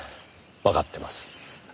わかってます。